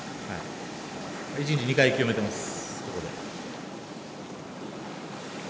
１日２回清めてます。